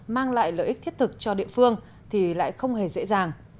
mang lại lợi ích thiết thực cho địa phương thì lại không hề dễ dàng